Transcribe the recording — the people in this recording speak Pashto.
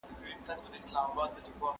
¬ ښه مه پر واړه که، مه پر زاړه که.